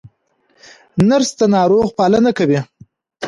نرس د ناروغ پالنه کوي